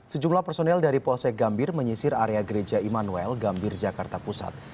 sejumlah personel dari polsek gambir menyisir area gereja immanuel gambir jakarta pusat